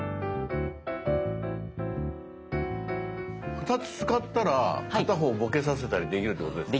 ２つ使ったら片方ボケさせたりできるってことですか？